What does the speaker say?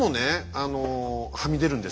あのはみ出るんです。